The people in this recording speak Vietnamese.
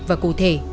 và cụ thể